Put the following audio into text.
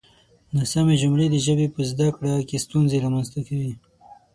ناسمې جملې د ژبې په زده کړه کې ستونزې رامنځته کوي.